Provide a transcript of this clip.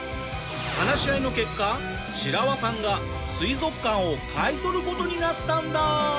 話し合いの結果シラワさんが水族館を買い取る事になったんだ。